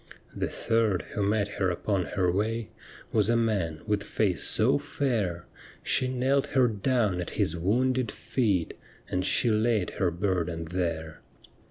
The third who met her upon her way Was a man with face so fair, She knelt her down at His wounded feet. And she laid her burden there.